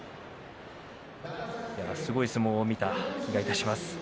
すごい相撲を見た気がします。